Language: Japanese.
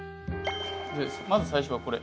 まず最初はこれ。